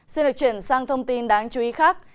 xin được chuyển sang thông tin đáng chú ý khác